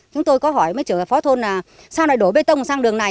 chúng tôi có hỏi mấy chủ phó thôn là sao lại đổ bê tông sang đường này